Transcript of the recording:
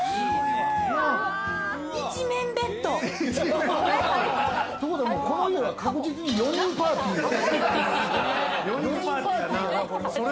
一面ベッド！ってことは、この家は確実に４人パーティーやな。